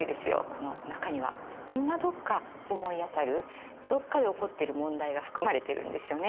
この中にはみんなどっか思い当たるどっかで起こってる問題が含まれてるんですよね